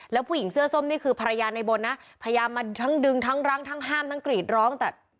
แล้วผู้หญิงเสื้อส้มนี่คือภรรยาในบนนะพยายามมาทั้งดึงทั้งรั้งทั้งห้ามทั้งกรีดร้องแต่